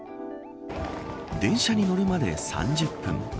電車に乗るまで３０分。